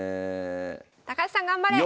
高橋さん頑張れ！